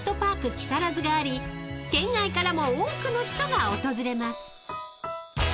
木更津があり県外からも多くの人が訪れます］